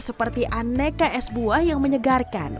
seperti aneka es buah yang menyegarkan